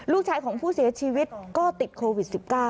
ลูกชายของผู้เสียชีวิตก็ติดโควิด๑๙